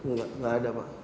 enggak enggak ada pak